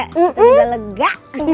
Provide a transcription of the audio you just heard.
itu juga lega